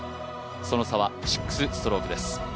その差は６ストロークです。